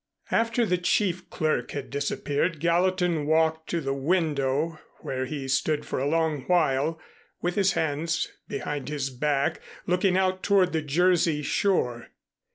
After the chief clerk had disappeared Gallatin walked to the window where he stood for a long while with his hands behind his back, looking out toward the Jersey shore.